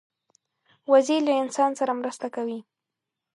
وزې له انسان سره مرسته کوي